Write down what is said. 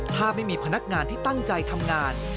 ถ้าไม่มีพนักงานที่ตั้งใจทำงาน